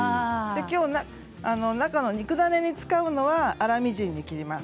きょうは中の肉ダネに使うのは粗みじんに切ります。